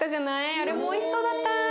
あれもおいしそうだった。